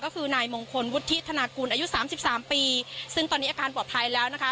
ก็คือนายมงคลวุฒิธนากุลอายุสามสิบสามปีซึ่งตอนนี้อาการปลอดภัยแล้วนะคะ